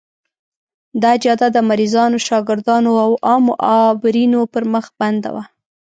دا جاده د مریضانو، شاګردانو او عامو عابرینو پر مخ بنده وه.